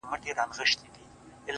د دې لپاره چي ډېوه به یې راځي کلي ته؛